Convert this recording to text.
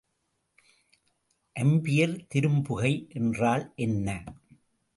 Ampere திரும்புகை என்றால் என்ன?